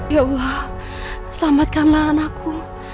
ya allah selamatkanlah anakku